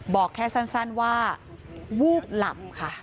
บอกแค่สั้นว่าวูบหลับค่ะ